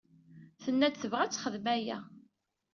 Tenna-d tebɣa ad texdem aya.